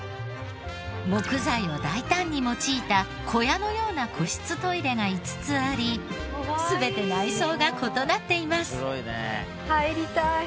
木材を大胆に用いた小屋のような個室トイレが５つあり全て内装が異なっています。